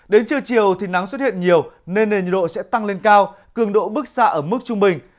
đến trưa chiều thì nắng xuất hiện nhiều nên nền nhiệt độ sẽ tăng lên cao cường độ bức xạ ở mức trung bình